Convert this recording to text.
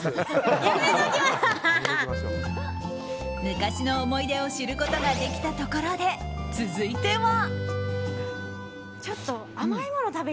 昔の思い出を知ることができたところで続いては。